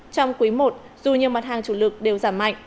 trong quý i dù nhiều mặt hàng chủ lực đều giảm mạnh